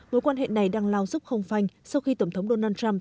mối quan hệ này đang lao dốc không phanh sau khi tổng thống donald trump